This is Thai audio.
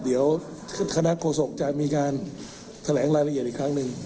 เดี๋ยวคณะโฆษกจะมีการแถลงรายละเอียดอีกครั้งหนึ่ง